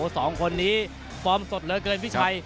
สองคนนี้ฟอร์มสดเหลือเกินพี่ชัย